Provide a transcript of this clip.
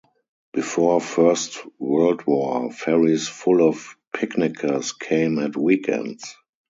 Before First World War, ferries full of picnickers came at weekends.